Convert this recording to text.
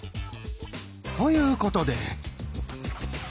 ということで。